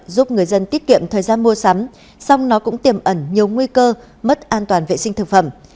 giúp người dân tiết kiệm thời gian mua sắm xong nó cũng tiềm ẩn nhiều nguy cơ mất an toàn vệ sinh thực phẩm